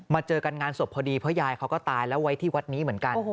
เจอกันงานศพพอดีเพราะยายเขาก็ตายแล้วไว้ที่วัดนี้เหมือนกัน